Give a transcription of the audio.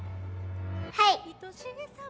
はい！